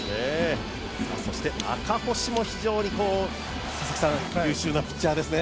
そして赤星も非常に、優秀なピッチャーですね。